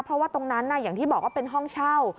เพราะว่าตรงนั้นอย่างที่บอกว่าเป็นห้องเช่า